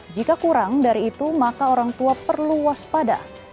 jika kurang dari itu maka orang tua perlu waspada